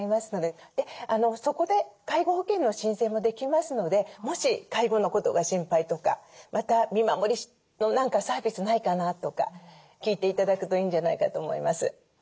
そこで介護保険の申請もできますのでもし介護のことが心配とかまた見守りの何かサービスないかなとか聞いて頂くといいんじゃないかと思います。